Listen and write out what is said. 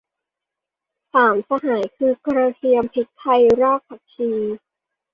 สามสหายคือ กระเทียม พริกไทย รากผักชี